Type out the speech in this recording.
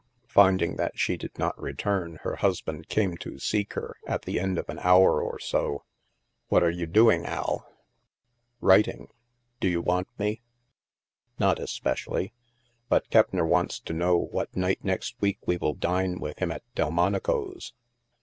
Finding that she did not return, her husband came to seek her, at the end of an hour or so. What are you doing, Al ?"" Writing. Do you want me ?" "Not especially. But Keppner wants to know what night next week we will dine with him at Delmonico's."